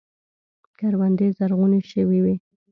کروندې زرغونې شوې وې.